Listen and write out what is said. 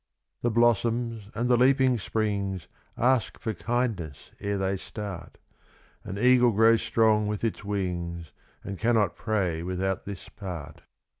The blossoms and the leaping springs Ask for kindness ere they start; An eagle grows strong with its wings. And cannot prey without this part.